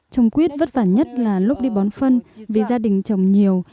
trồng quýt vất vả nhất là lúc đi bón phân vì gia đình trồng nhiều